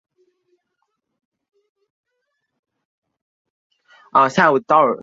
邻苯二胺由邻硝基苯胺的硫化钠还原或催化氢化还原得到。